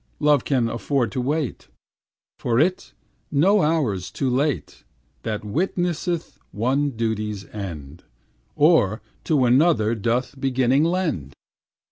Love can afford to wait; For it no hour's too late That witnesseth one duty's end, Or to another doth beginning lend.